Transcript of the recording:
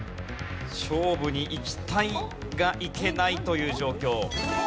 勝負にいきたいがいけないという状況。